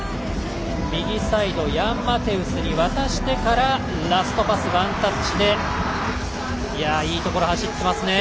右サイドヤン・マテウスに渡してからラストパス、ワンタッチでいいところ走ってます。